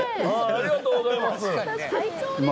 ありがとうございます。